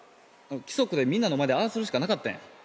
規則でみんなの前でああするしかなかってん。